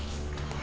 ibu masih di rumah